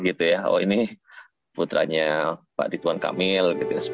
ini putranya pak ridwan kamil